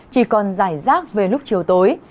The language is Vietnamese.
chỉ còn dài rác về lúc chiều tối